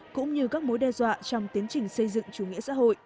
cũng như các mối đe dọa trong tiến trình xây dựng chủ nghĩa xã hội